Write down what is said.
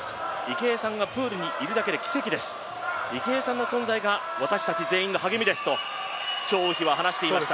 池江さんがプールにいるだけで奇跡です、池江さんの存在が私たち全員の励みですと張雨霏は話していました。